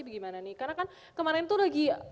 gimana nih karena kan kemarin tuh lagi